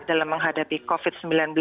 dalam menghadapi covid sembilan belas